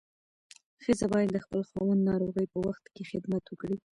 ښځه باید د خپل خاوند ناروغۍ په وخت کې خدمت وکړي.